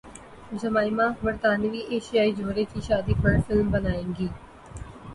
Jemima برطانوی ایشیائی جوڑے کی شادی پر فلم بنائیں گی